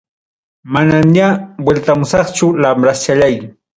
Manamya vueltamusaqchu lambraschallay.